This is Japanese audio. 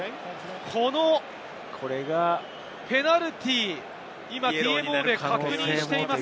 このペナルティー、ＴＭＯで確認しています。